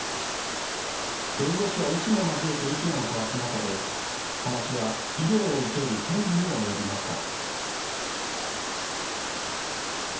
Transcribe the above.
弁護士や医師も交えて意見を交わす中で話は医療を受ける権利にも及びました。